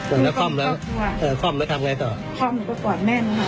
หนูคอมแล้วทำยังไงต่อคอมหนูก็กวาดแม่หนูนะ